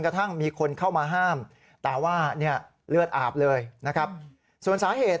กระทั่งมีคนเข้ามาห้ามแต่ว่าเนี่ยเลือดอาบเลยนะครับส่วนสาเหตุ